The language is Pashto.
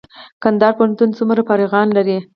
کندهار پوهنتون څومره فارغان لري؟